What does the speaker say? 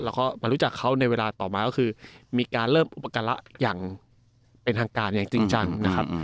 แล้วก็มารู้จักเขาในเวลาต่อมาก็คือมีการเริ่มอุปการะอย่างเป็นทางการอย่างจริงจังนะครับ